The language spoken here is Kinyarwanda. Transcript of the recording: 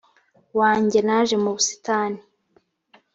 wanjye naje mu busitani